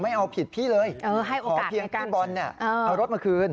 ไม่เอาผิดพี่เลยขอเพียงพี่บอลเอารถมาคืน